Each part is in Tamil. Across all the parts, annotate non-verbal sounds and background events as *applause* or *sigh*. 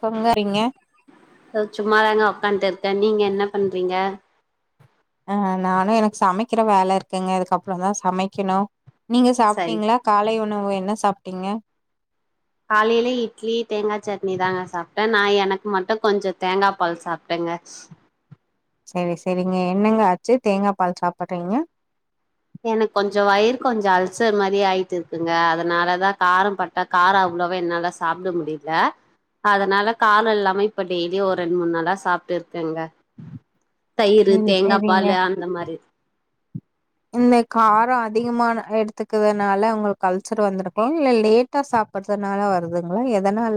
கொங்காரீங்க சும்மாதாங்க உக்கான்ட்ருக்கே நீங்க என்ன பண்றீங்க ஏங்க நானே எனக் சமைக்கிற வேல இருக்குங்க இதுக்கப்புறோ தா சமைக்கணு நீங்க சரி சாப்ட்டீங்களா காலை உணவு என்ன சாப்பிட்டீங்க காலைல இட்லி தேங்கா சட்னி தாங்க சாப்ட்டே நா எனக்கு மட்டு கொஞ்சோ தேங்கா பால் சாப்ட்டேங்க செரி செரிங்க என்னெங்க ஆச்சு தேங்கா பால் சாப்பட்றீங்க எனக் கொஞ்சோ வயிறு கொஞ்சோ அல்சர் மாரி ஆயிட்டுருக்குங்க அதனாலதா காரம் பட் காரோ அவ்ளவா என்னால சாப்ட முடில அதனால காலோ இல்லாம இப்ப டெய்லி ஒரு ரெண்டு மூணு நாளா சாப்ட்டு இருக்கேங்க தயிரு செரி தேங்கா செரிங்க பாலு அந்த மாரி *inaudible* இந்த காரோ அதிகமான எடுத்துக்கிறதுனால உங்களுக்கு அல்சர் வந்திருக்லா இல்ல லேட் ட்டா சாப்டறதுனால வருதுங்களா எதனால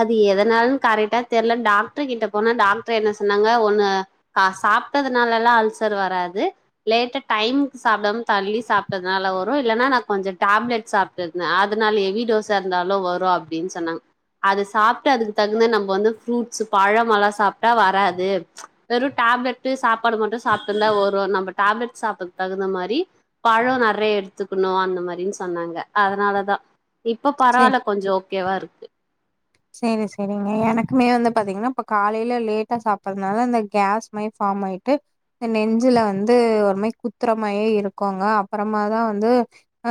அது எதனாலன் கரெக்டா தெர்ல டாக்டர் கிட்ட போனா டாக்டர் என்ன சொன்னாங்க ஒன்னு கா சாப்ட்டதுனாலெல்லா அல்சர் வராது லேட்டா டைம் சாப்டாம தள்ளி சாப்ட்டதுனால வரு இல்லன்னா நா கொஞ்சோ டேப்லெட்ஸ் சாப் ருந்தே அதனால எவி டோசா இருந்தாலோ வரு அப்டின் சொன்னா அது சாப்ட்டு அதுக்கு தகுந்த நம்ம வந்து ஃப்ரூட்ஸ்சு பழமல்லா சாப்ட்டா வராது வெறு டேப்லெட்டு சாப்பாடு மட்டு சாப்ட்டுருந்தா வரு நம்ம டேப்லெட் சாப்டதுக் தகுந்த மாரி பழோ நறைய எடுத்துக்குணு அந்த மாரின் சொன்னாங்க அதனாலதா இப்போ செ பரவால்ல கொஞ்சோ ஓகேவா இருக்கு சேரி சேரிங்க எனக்குமே வந்து பாத்தீங்கனா இப்ப காலைல லேட்டா சாப்பறதுனால இந்த கேஸ் மாரி ஃபார்ம் ஆயிட்டு நெஞ்சுல வந்து ஒரு மாரி குத்துரமாயியே இருக்குங்க அப்றமாதா வந்து அ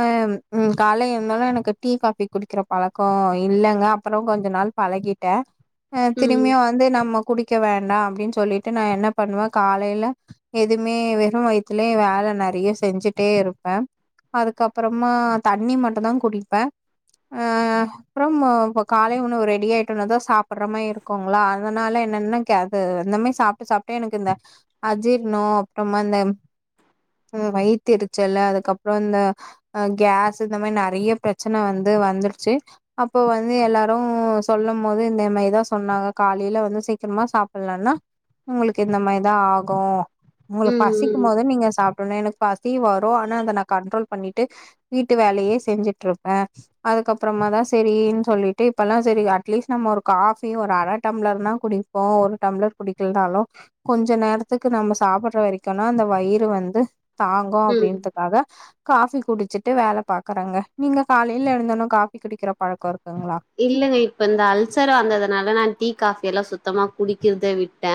ம் கால்ல எழுந்தோன்ன எனக்கு டீ காபி குடிக்கிற பழக்கோ இல்லங்க அப்பறோ கொஞ் நாள் பழகிட்டே அ ம் திரும்பியு வந் வந்து நம்ம குடிக்க வேண்டாம் அப்டின் சொல்லிட்டு நா என்ன பண்ணுவே காலைல எதுமே வெறு வயத்துலயே வேல நெறைய செஞ்சுட்டே இருப்பே அதுக்கப்புறமா தண்ணி மட்டுந்தா குடிப்பே ஆ அப்புறம் அ இப்ப காலை உண் ன்னு ரெடியாயிடோனா தா சாபட்ற மாரி இருக்கோங்களா அதனால என்னன்ன கேது இந்த மாரி சாப்ட்டு சாப்ட்டு எனக்கு இந்த அஜீர்ணோ அப்றமா அந்த வயத்தெருச்சல் அதுக்கப்புறோ இந்த அ கேஸ்சு இந்த மாரி நெறைய பிரச்சனை வந்து வந்துருச்சு அப்போ வந்து எல்லாரு அப்றோ சொல்லும் போது இந்த மேரிதா சொன்னாங்க காலைல வந்து சீக்கரமா சாப்பிட்லேன்னா உங்குளு இந்த மேரிதா ஆகு உங்குளுக் ம் பசிக்கும் ம் போதே நீங்க சாப் டனே எனக் பசி வரு ஆனா அத நா கண்ட்ரோல் பண்ணிட்டு வீட்டு வேலையே செஞ்சிட்ருப் அ அதுக்கப்பறமா தா சேரின் சொல்லிட் டு இப்பெல்லா சேரி அட்லீஸ்ட் நம்ம ஒரு காஃபி ஒரு அரை டம்ளர்னா குடிப்போ ஒரு டம்ளர் குடிக்கலனாலு கொஞ்ச நேரத்துக்கு நம்ம சாப்பட்ற வரைக்குனா அந்த வயிறு வந்து தாகோ ம் அப்டின்துக்காக காஃபி குடிச்சிட்டு வேல பாக்கறங்க நீங்க காலைல எழுந்தனு காஃபி குடிக்கற பழக்கோ இருக்குங்ளா இல்லங்க இப்ப இந்த அல்சர் வந்ததுனால நா டீ காஃபி எல்லா சுத்தமா குடிக்கிறதே விட்டே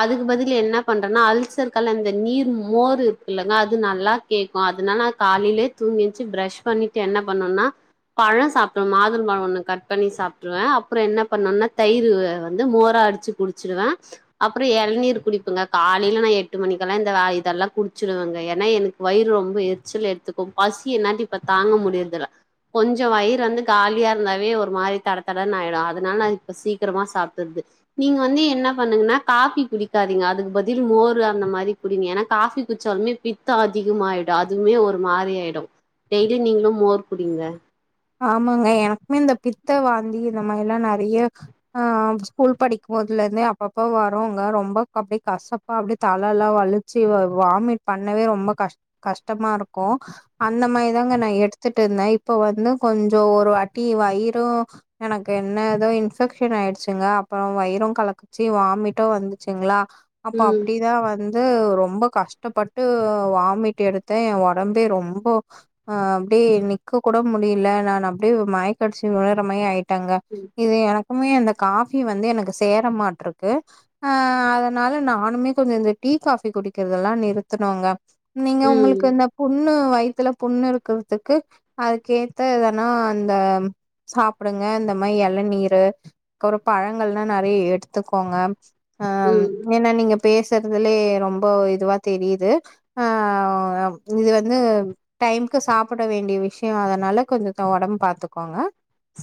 அதுக் பதில் என்ன பண்றனா அல்சர்கலா இந்த நீர் மோர் இருக்குல்லங்க அது நல்லா கேக்கு அதனா நா காலைலயே தூங்கி என்ச்சு பிரிஷ் பண்ணிட்டு என்ன பண்ணோனா பழ சாப்டோ மாதுளம்பழ ஒன்னு கட் பண்ணி சாப்ருவே அப்பறோ என்ன பண்ணன்னா தயிரு வந்து மோரா அடிச்சு குடிச்சிருவே அப்பறோ இளநீர் குடிப்புங்க காலைல நா எட்டு மணிக்கெல்லா இந்த வ இதெல்லா குடிச்சிருவேங்க ஏனா எனக் வயிறு ரொம்ப எரிச்சல் எடுத்துக்கு பசி என்னால இப்ப தாங்க முடியற்தில்ல கொஞ்ச வயிறு வந்து காலியா இருந்தா டியே ஒரு மாரி தட தடன் ஆய்டு அதனால இப்ப சீக்கிரமா சாப்டற்து நீங்க வந்து என்ன பண்ணுங்னா காபி குடிக்காதீங்க அதுக்கு பதில் மோர் அந்த மாரி குடிங்க ஏனா காஃபி குட்ச்சாலுமே பித்தோ அதிகமாயிடு அதுமே ஒரு மாரி ஆய்டு டெய்லி நீங்களு மோர் குடிங்க ஆமாங்க எனக்மே இந்த பித்த வாந்தி இந்த மார்லா நெறைய ஆ ஸ்கூல் படிக்கு போதுலருந்தே அப்பப்ப வருங்க ரொம்ப அப்டி கஷ்ட ப அப்டியே தல எல்லா வலிச்சி வரு வாமிட் பண்ணவே ரொம்ப கஷ் கஷ்டமா இருக்கு அந்த மாரிதாங்க நா எடுத்துட் இருந்தே இப்ப வந்து கொஞ்ச ஒரு அட்டி வயிரு எனக்கு என்ன ஏதோ இன்ஃபெக்ஷன் ஆய்டுச்சுங்க அப்புறோ வயிறு கலக் சி வாமிட்டோ வந்துச்சுங்ளா அப்ப ம் அப்டிதா வந் வந்து ரொம்ப கஷ்டப்பட்டு வாமிட் எடுத்தே எ ஒடம்பே ரொம்போ ஆ அப்டே நிக்க கூட மு டியல நா நா அப்டியே ஒரு மய கடச்சி வுளர மாரி ஆய்ட்டங்க ம் இது எனக் அப்பமே அந்த காஃபி வந்து எனக்கு சேர மாட்ருக்கு அ அதனால நானுமே கொஞ்ச இந்த டீ காபி குடிக்கிறதெல்லா நிறுத்துனூங்க நீங்க உங்களுக்கு ம் இந்த புண்ணு வயித்துல புண்ணு இருக்கறதுக்கு அதுக்கு த எதனா இந்த சாப்டுங்க இந்த மாரி எளநீரு அப்புறோ பழங்கள்னா நெறைய எடுத்துக்கோங்க ஆ ம் ஏனா நீங்க பேசறதுலயே ரொம்ப இதுவா தெரியுது ஆ இது வந்து டைமுக்கு சாப்ட வேண்டிய விஷ்யோ அதனால கொஞ்சத்த ஒடம் பாத்துக்கோங்க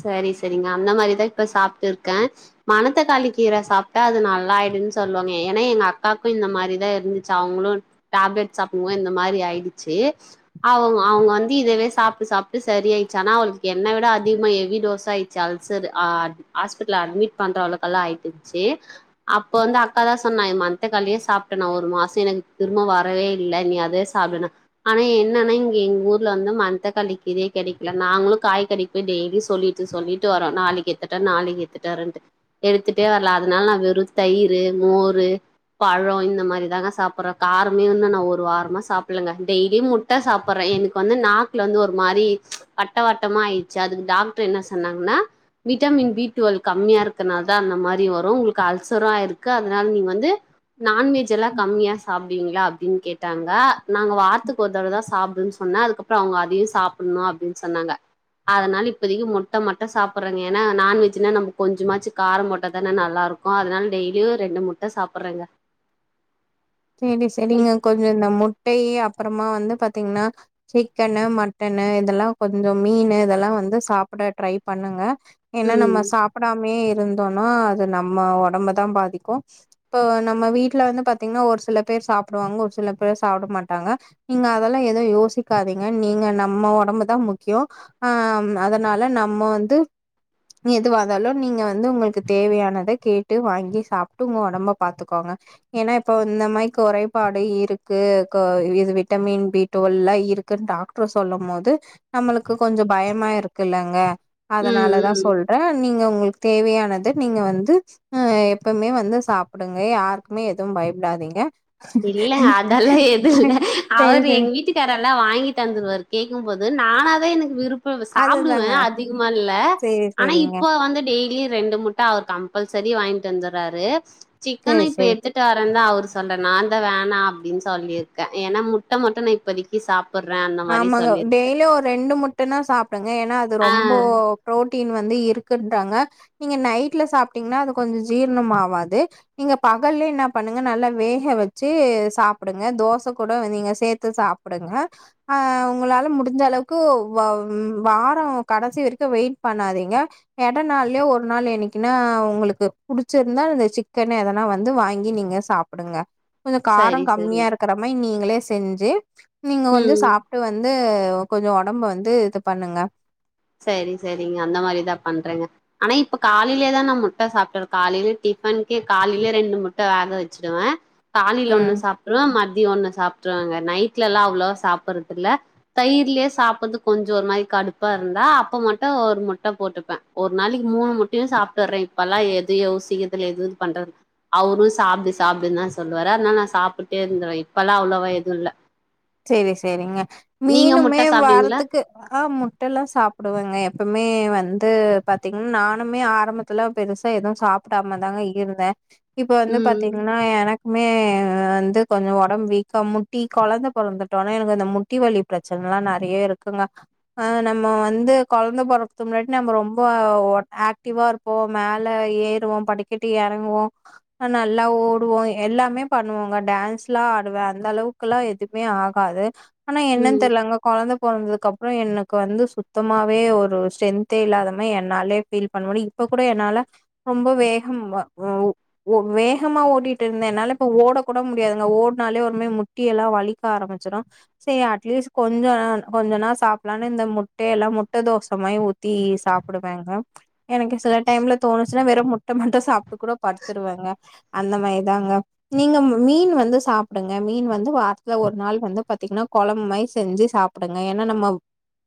சரி சரிங்க அந்த மாரிதா இப்ப சாப்ட்ருக்கே மணத்தக்காளி கீர சாப்டா அது நல்லா ஆயிடுன் சொல்வாங்க ஏனா எங்க அக்காக்கு இந்த மாரிதா இருந்துச்சு அவுங்ளு டேப்லெட் சாப்டுமோ இந்த மாரி ஆய்டுச்சி அவுங்க அவுங்க வந்து இதவே சாப்டு சாப்டு செரியா ஆய்டுச்சு ஆனா அவுங்களுக்கு என்ன விட அ அதிகமா கெவி டோஸா ஆய்டுச்சு அல்சரு ஆ ஹாஸ்பிடல் அட்மிட் பண்ற அளவுக்கெல்லா ஆயிட்ந்ச்சி அப்போ வந்து அக்கா தா சொ நா இ மண்தக்காளியே சாப்டனா ஒரு மாசோ எனக்கு திரும்ப வரவே இல்ல நீ அதே சாப்டுனா ஆனா என்னன்னா இங்க எங்க ஊர்ல வந்து மன் தக்காளி கீரையே கெடைக்கல நாங்களு காய் கடைக் போய் டெய்லி சொல்லிட்டு சொல்லிட்டு வரோ நாளைக்கு எட்த்துட்டு வா நாளைக்கு எத்துட்டு வரன்ட்டு எடுத்துட்டே வரலா அதனால நா வெறு தயிரு மோரு பழோ இந்த மாரி தாங்க சாப்பற காரமே இன்னு நா ஒரு வாரமா சாப்பில்லங்க டெய்லி முட் ட சாப்பற எனக்கு வந்து நாக்குல வந்து ஒரு மாரி வட்ட வட்டமா ஆயி சி அதுக்கு டாக்டரு என்ன சொன்னாங்னா விட்டமின் பி டுவல் கம்மியா இருக்கனால் தா அந்த மாரி வரு உங்களுக்கு அல்சரு ஆய்ருக்கு அதனால நீ வந்து நான்வெஜ் எல்லா கம்மியா சாப்டுவீங்களா அப்டின் கேட் டாங்க நாங்க வாரத்துக்கு ஒரு தடவ தா சாப்டுன் சொன்னே அதுக்கப்புற அவுங்க அதையு சாப்புட்னு அப்டின் சொன்னாங்க அதனால இப்பதிக்கு முட்ட மட்டு சாப்பறங்க ஏனா நான் வெஜ்னா நம்ம கொஞ்சமாச்சு கார போட்டா தான நல்லாருக் கோ அதனால டெய்லியு ரெண்டு முட்ட சாப்புறங்க செரி செரிங்க கொஞ்ச இந்த முட்டை அப்புறமா வந்து பாத்தீங்னா சிக்கனு மட்டனு இதெல்லா கொஞ்ச மீனு இதெல்லா வந்து சாப்ட ட்ரை பண்ணுங்க ஏனா நம்ம ம். சாப்டாமயே இருந்தோனா அது நம்ம ஒடம்பதா பாதிக்கு இப்போ நம்ம வீட்ல வந்து பாத்தீங்னா ஒரு சில பேர் சாப்டுவாங்க ஒரு சில பேர் சாப்ட மாட்டாங்க நீங்க அதெல்லா எதையு யோசிக்காதீங்க நீங்க நம்ம ஒடம்புதா முக்கியோ ஆம் அதனால நம்ம வந்து எதுவா இருந்தாலு நீங்க வந்து உங்களுக்கு தேவையானதை கேட்டு வாங்கி சாப்டு உங்க ஒடம்ப பாத்துக்கோங்க ஏன்னா இப்ப இந்த மாதிரி குறைபாடு இருக்கு கோ இது விட்டமின் பி டுவல்லா இருக் க்கு டாக்டர் சொல்லு போது நமக்கு கொஞ்சொ பயமா இருக்கில்லங்க ம், அதனாலதா ம். சொல்றே நீங்க உங்களுக்கு தேவையானத நீங்க வந்து அ எப்பவுமே வந்து சாப்பிடுங்க யாருக்குமே எதுவு பயப்படாதீங்க இல்லங்க அதெல்லா எதுவ் இல்ல சரி அவர் சரி எங் வீட்டுக் காரெல்லா வாங்கி தந்துருவாரு கேக்கும்போது நானா தா எனக்கு விருப் இப்போது சாப்டுவே அதுதாங்க அதிகமா இல்ல சரி ஆனா சரிங்க இப்ப வந்து டெய்லியூ ரெண்டு முட் ட அவர் கம்பல்சரி வாங்கிட்டு வந்துறாரு சிக்கன் சரி இப்ப சரி. எடுத்துட்டு வரந்தா அவர் சொல்றாரு நா தா வேணா அப்டின் சொல்லியிருக்கே ஏன்னா முட்ட மட்டு நா இப்பதிக் கி சாப்பட்றேன்னா ஆமாங்க டெய்லியூ ஒரு ரெண்டு முட்டனா சாப்பிடுங்க ஏன்னா அது ஆ. ரொம்பே பு்ரோட்டீன் வந்து இருக்குன்றாங்க நீங்க நைட்ல சாப்டீங்கன்னா அது கொஞ்சொ ஜீரன்னெ ஆகாது நீங்க பகல்லே என்ன பண்ணுங்க நல்லா வேக வெச்சு சாப்டுங்க தோச கூட நீங்க சேர்த்து சாப் டுங்க அ உங்களால முடிஞ்ச அளவுக்கு வ்வ வார கடைசி வரைக்கூ வெயிட் பண்ணாதீங்க எட நாள்லயே ஒரு நாள் என்னைக்குனா உங்களுக்கு புடிச்சிருந்தா இந்த சிக்கனு எதனா வந்து வாங்கி நீங்க சாப் பிடுங்க இப்ப தெ காரோ சரி, சரி. கம்மியா இருக்கிற மாரி நீங்களே செஞ்சு நீங்க வந்து ம். விட்டு வந்து கொஞ்சொ ஒடம்பு வந்து இது பண்ணுங்க சரி செரிங்க அந்தமாரி தா பண்றங்க ஆனா இப்ப காலையிலே தா நா முட்ட சாப்டுக்குறே காலய்லே டிஃபனுக்கே காலையிலே ரெண்டு முட்ட வேக வச்சிடுவே காலையில ஒண்ணு ம் சாப்டுருவே மதிய ஒண்ணு சாப்டுருவேங்க நைட் நைட்லல்லா அவ்ளவா சாப்பட்றது இல்ல தயிர்லயே சாப்பிட்றது கொஞ்சொ ஒரு மாரி கடுப்பா இருக் இருந்தா அப்ப மட்டு ஒரு முட்ட போட்டுப்பே ஒரு நாளைக்கு மூணு முட்டயூ சாப்பிட்ரோ இப்பல்லா எதுயூ யோசிக்கிர்த் இதில எதுவூ பண்றத் அவரூ சாப்டு சாப்டுன்தா சொல்லுவாரு அத்னால நா சாப்ட்டே இருந்துர்வே இப்பெலா அவ்ளவா எதூ இல்ல செரி செரிங்க நீங்க மீனுமே முட்ட சாப்டுவீங்களா வாரத்துக்கு ஆ முட் டெல்லா சாப்டுவேங்க எப்பமே வந்து பாத்தீங்ன்னா நானுமே ஆரம்பத்துல பெருசாக எதுவூ சாப்ட்டு டாமா தாங்க இருந்தே இப்ப வந்து ம் பாத்தீங்ன்னா எனக்மே வந்து கொஞ்சொ ஒடம்பு வீக்கா முட்டி கொழந்த பொறந்துட்டோனா எனக்கு அந்த முட்டி வலி பிரச்சனலா நெறய இருக்குங்க ஆ நம்ம வந்து கொழந்த பொறக்கர்த்துக் முன்னாடி நம்ப ரொம்ப லோ ஆக்டிவா இருப் போ மேல ஏறுவோ படிக்கட்டு எறங்குவோ அ நல்லா ஓடுவோ எல்லாமே பண்ணுவொங்க டான்ஸ் லா ஆடுவே அந்த அளவுக்குலா இருத் மே ஆகாது ஆனா என்னன் ம் தெர்லங்க கொழந்த பொறந்ததுக்கு அப்றோ எனக்கு வந்து சுத்தமாவே ஒரு ஸ்டரென்த்தே இல்லாத மாரி என்னாலே ஃபீல் பண்ண முடித் இ ப்ப கூட என்னால ரொம்ப வேகம் ப வ ஓ வேகமா ஓடிட்டுர்ந்தே என்னால இப்ப ஓடக்கூட முடியாதுங்க ஓட்னாலே ஒருமேரி முட்டியெல்லா வலிக் க ஆரம்பச்சிரூ செர் அட்லீஸ்ட் கொஞ்சொ நா கொஞ்ச நா சாப்டலான்னு இந்த முட்டயெல்லா முட்ட தோசமாயி ஊத் தி சாப்டுவேங்க எனக்கு சில டைம்ல தோணுச்சுனா வெறு முட்ட மட்டு சாப்ட்டுக் கூட படுத்துருவங்க அந்தமாரி தாங்க நீங்க மீன் வந்து சாப்டுங்க மீன் வந்து வார்த் துல ஒரு நாள் வந்து பாத்தீங்னா கொழம்புமாயி செஞ்சு சாப்டுங்க ஏன்னா நம்மொ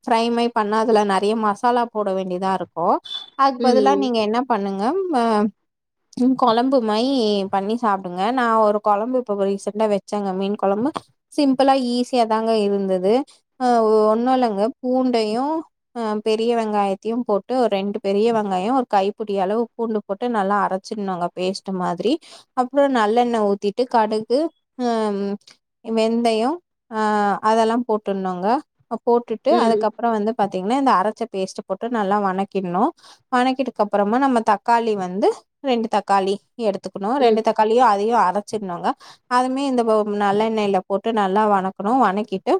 ஃபிரைமே பண்ணா அதுல நெறைய மசாலா போட வேண்டிதா இருக்கு அதுக்கு பதிலா ம் நீங்க என்ன பண்ணுங்க ம ம் கொழம்பு மயி பண்ணி சாப்டுங்க நா ஒரு கொழம்பு இப்ப ரீசன்டா வச்சேங்க மீன் கொழம்பு சிம்பிளா ஈஸியாதாங்க இருந்தது அ அ ஒண்ணுல்லங்க பூண்டயு ஆ பெரிய வெங்காயத்தியு போட்டு ஒரு ரெண்டு பெரிய வெங்காயொ ஒரு கைப்புடி அளவு பூண்டு போட்டு நல்லா அரச்சிகினுங்க பேஸ்ட்டு மாதிரி அப்பறொ நல்லெண்ண ஊத்திட்டு கடுகு அம் வெந்தயொ ஆ அதெலா போட்டுனுங்க போட்டுட்டு ம் அதுக்கப் பற வந்து பாத்தீங்னா இந்த அரச்ச பேஸ்ட்டு போட்டு நல்லா வணக்கிக்ணு வணக்கிட்டு அப்பறமா நம்ம தக்காளி வந்து ரெண்டு தக்காளி எடுத்துக்கணு ம் ரெண்டு தக்காளியு அதயு அரச்சிருனுங்க அதுமே இந்த நல்லண்ணெய்ல போட்டு நல்லா வணக்ணு வணக்கிட்டு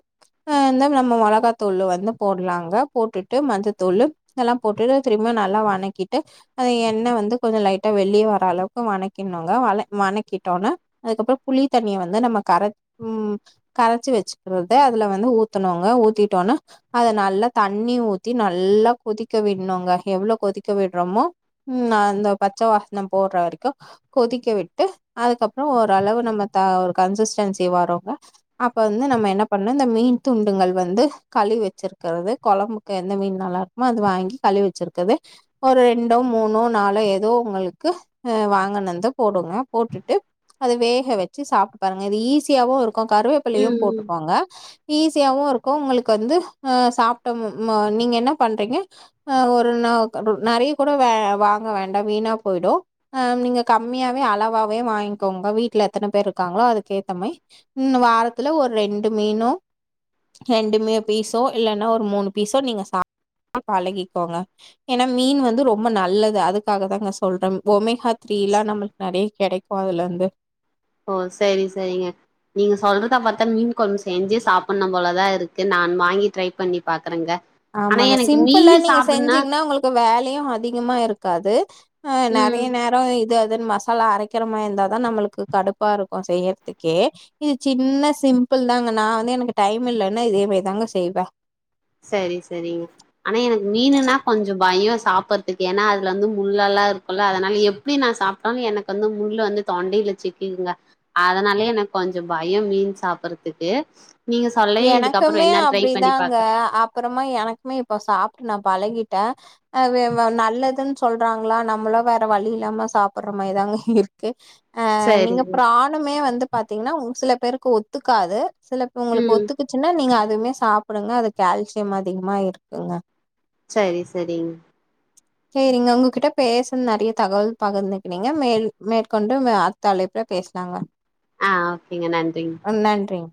அ தென் நம்ம மொளகாத்தூளூ வந்து போட்லாங்க போட்டுட்டு மஞ்சத்தூளூ இதெலா போட்டுட்டு திரும்ப நல்லா வணக்கிட்டு அது எண்ணெ வந்து கொஞ்சொ லைட்டா வெளிய வர அளவுக்கு வணக்கிணுங்க வண வணக்கிட்டோனா அதுக்கப்பறொ புளி தண்ணிய வந்து நம்ம கர ம் கரச்சி வச்சுக்கறத அதுல வந்து ஊத்தனோங்க ஊத்திட்டோனா அத நல்லா தண்ணி ஊத்தி நல்லா கொதிக்க விட்ணுங்க எவ்ளோ கொதிக்க விட்றமோ ம் நா அந்த பச்ச வாசன போற வரைக்கு கொதிக்க விட்டு அதுக்கப்பறொ ஓரளவு நம்ம த ஒரு கன்சிஸ்டன்சி வருங்க அப்ப வந்து நம்ம என்ன பண்ணு இந்த மீன் துண்டுங்கள் வந்து கழிவி வச்சிர்க்கிறது கொழம்பு கு எந்த மீன் நல்லாருக்குமோ அது வாங்கி கழிவ் வச்சிர்க்கது ஒரு ரெண்டோ மூணோ நாளோ எதோ உங்களுக்கு ம்அ வாங்கணுந்த போடுங்க போட்டுட்டு அது வேக வச்சு சாப்ட்டு பாருங்க இது ஈஸி யாவூ இருக்கு ம் கருவேப்பிலயு ம் போட்டுக்கோங் க ஈஸியாவு இருக்கூ உங்களுக்கு வந்து ஆ சாப்ட்ட ம் நீங்க என்ன பண்றீங்க ஆ ஒரு நா நெறைய கூட வாங்க வேண்டா வீணா போயிடு ஆ நீங்க கம்மியாவே அளவாவே வாங்கிக்கோங்க வீட்ல எத்தன பேர் இருக்காங்ளோ அதுக்கேத்தமாயி ம் வாரத்துல ஒரு ரெண்டு மீனு ரெண்டுமே பீஸோ இல்லன்னா ஒரு மூணு பீஸோ நீங்க *inaudible* பழகிக்கோங்க ஏன்னா மீன் வந்து ரொம்ப நல்லது அதுக்காக தாங்க சொல்ற ஒமேகா த்ரீல்லா நம்மளுக்கு நெறைய கெடைக் கோ அதுலந்து ஓ சரி சரிங்க நீங்க சொல்றத பத்தா மீன் கொழம்பு செஞ்சு சாப்பன்னோ போல தா இருக்கு நான் வாங்கி ட்ரை பண்ணி பாக்குறங்க ஆமாங்க சிம்புள்ளா நீங்க செஞ்சீங்ன்னா உங்களுக் கு வேலயு அதிகமா இருக்காது அ ம் நெறைய நேரோ இது அதுன்னு மசாலா அரை க்கிற மாரி இருந்தா தா நம்மளுக்கு கடுப்பா இருக்கு செய்யறதுக்கே இது சின்ன சிம்பிள் தாங்க நா வந்து எனக்கு டைம் இல்லன்னா இதே மாரி தாங்க செய்வ சரி சரிங் ஆனா எனக்கு மீனுன்னா கொஞ்சோ பயோ சாப்புறத்துக்கு ஏன்னா அதுல வந்து முள்ளல்லா இருக்கோல்ல அதனால எப் அப்டி நா சாப்ட்டாலு எனக்கு வந்து முள்ளு வந்து தொண்டையில சிக்கிகுங்க அதனாலேயே எனக்கு கொஞ்சோ பயோ மீன் சாப்புறத்துக்கு எனக்குமே அப்டிதாங்க பாக்க அப்பறமா எனக்குமே இப்போ சாப்ட்டு நா பழகிட்ட அ வே வ நல்லதுன்னு சொல்றாங்ளா நம்மளு வேற வழி இல்லாம சாப்பற மாரிதாங்க இருக்கு அ நீங்க செரிங்க பிரானுமே வந்து பாத்தீங்ன்னா ஒரு சில பேருக்கு ஒத்துக்காது சில உங்களுக்கு ம் ஒத் துக்குச்சுன்னா நீங்க அதுவுமே சாப்டுங்க அது கால்சியம் அதிகமா இருக்குங்க சேரி செரிங் சேரிங்க உங்ககிட்ட பேசு நெறைய தகவல் பகிர்ந்துக்குனீங்க மேல் மேற்கொண்டு நம்ம அடுத்த அழைப்புல பேசலாங்க அ ஓகேங்க நன்றிங்க அ நன்றிங்